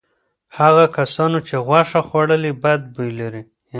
هغو کسانو چې غوښه خوړلې بد بوی لري.